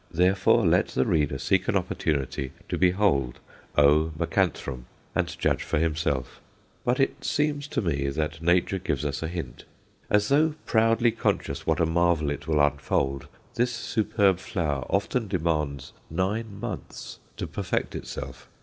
Therefore, let the reader seek an opportunity to behold O. macranthum, and judge for himself. But it seems to me that Nature gives us a hint. As though proudly conscious what a marvel it will unfold, this superb flower often demands nine months to perfect itself.